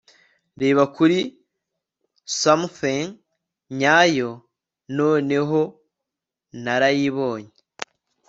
reba 'kuri somethin' nyayo, noneho narayibonye